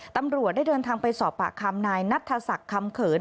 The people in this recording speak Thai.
ตำรวจได้เดินทางไปสอบปากคำนายนัทศักดิ์คำเขิน